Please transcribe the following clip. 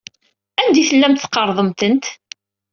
Anda ay tellamt tqerrḍemt-tent?